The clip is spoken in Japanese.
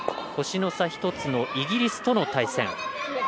星の差１つのイギリスとの対戦。